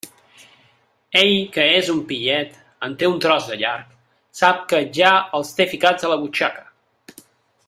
Ell, que és un pillet —en té un tros de llarg—, sap que ja els té ficats a la butxaca.